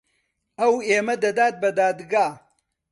ئەو ئێمە دەدات بە دادگا.